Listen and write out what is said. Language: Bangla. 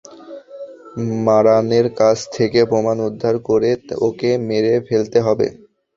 মারানের কাছ থেকে প্রমাণ উদ্ধার করে ওকে মেরে ফেলতে হবে!